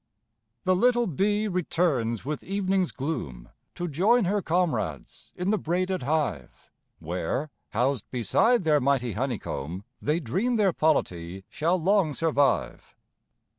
The little bee returns with evening's gloom, To join her comrades in the braided hive, Where, housed beside their mighty honeycomb, They dream their polity shall long survive.